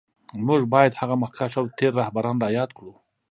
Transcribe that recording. موږ باید هغه مخکښ او تېر رهبران را یاد کړو